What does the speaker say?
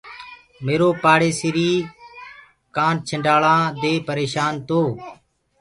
ميرو پآڙيسري ڪآنڇنڊݪآنٚ دي پريشآن تو۔